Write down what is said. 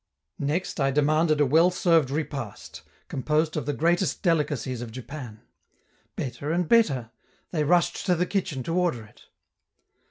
Next I demanded a well served repast, composed of the greatest delicacies of Japan. Better and better! they rushed to the kitchen to order it.